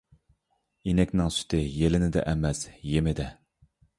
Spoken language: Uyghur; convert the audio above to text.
ئىنەكنىڭ سۈتى يېلىنىدە ئەمەس، يېمىدە.